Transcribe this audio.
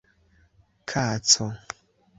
kaco